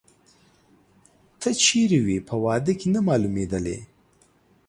ته چیري وې، په واده کې نه مالومېدلې؟